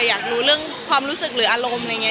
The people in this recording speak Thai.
อยากรู้เรื่องความรู้สึกหรืออารมณ์อะไรอย่างนี้